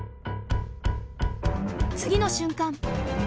次の瞬間！